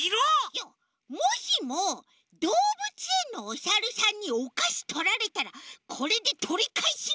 いやもしもどうぶつえんのおサルさんにおかしとられたらこれでとりかえすの！